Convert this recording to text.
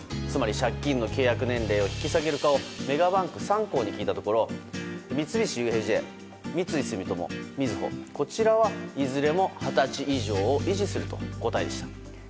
つまり借金の契約年齢を引き下げるかをメガバンク３行に聞いたところ三菱ＵＦＪ、三井住友、みずほはいずれも二十歳以上を維持するという答えでした。